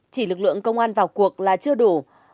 chỉ lực lượng công an vào cuộc là chưa đủ mới là giải quyết phần ngọn